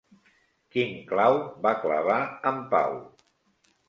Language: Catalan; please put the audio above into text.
Quin clau va clavar en Pau?